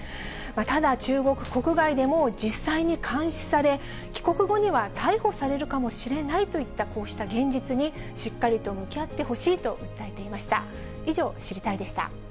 ただ、中国国外でも実際に監視され、帰国後には逮捕されるかもしれないといったこうした現実に、しっかりと向き合ってほしいと訴えていました。